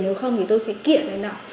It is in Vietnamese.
nếu không thì tôi sẽ kiện đấy nọ